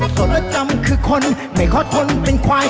โสดแล้วจำคือคนไม่คอทนเป็นควาย